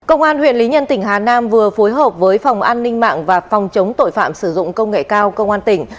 công an huyện lý nhân tỉnh hà nam vừa phối hợp với phòng an ninh mạng và phòng chống tội phạm sử dụng công nghệ cao công an tỉnh